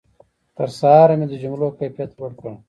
تر سهاره مې د جملو کیفیت لوړ کړ.